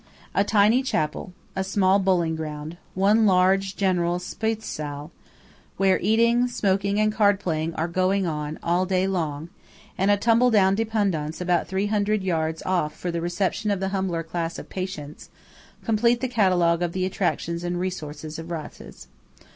A tiny chapel; a small bowling ground; one large general Speise Saal, where eating, smoking and card playing are going on all day long; and a tumble down Dependance about three hundred yards off for the reception of the humbler class of patients, complete the catalogue of the attractions and resources of Ratzes.